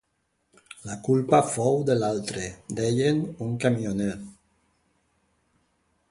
La culpa fou de l’altre, deien, un camioner.